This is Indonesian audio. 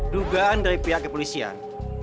dugaan dari pihak kepolisian